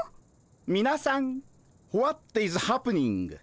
みなさんホワットイズハプニング？